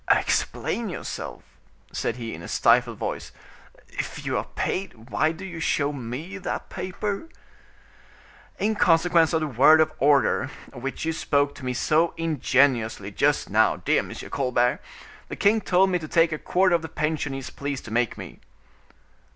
"Explain yourself," said he, in a stifled voice—"if you are paid why do you show me that paper?" "In consequence of the word of order of which you spoke to me so ingeniously just now, dear M. Colbert; the king told me to take a quarter of the pension he is pleased to make me."